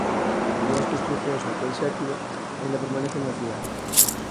Algunhas construcións daquel século aínda permanecen na cidade.